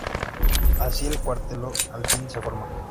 Así el cuarteto al fin se forma.